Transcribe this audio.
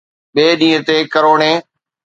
ٻئي ڏينهن تي ڪروڙين